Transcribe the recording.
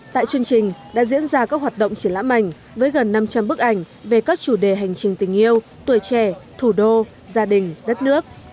tại chương trình đã diễn ra các hoạt động triển lãm ảnh với gần năm trăm linh bức ảnh về các chủ đề hành trình tình yêu tuổi trẻ thủ đô gia đình đất nước